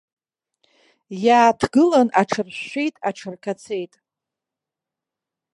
Иааҭгылан аҽаршәшәеит, аҽарқацеит.